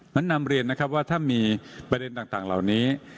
นำเรียนนะครับว่าถ้ามีประเด็นต่างเหล่านี้